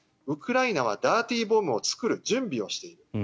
ウクライナはダーティーボムを作る準備をしている。